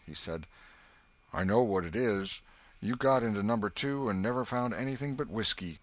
He said: "I know what it is. You got into No. 2 and never found anything but whiskey.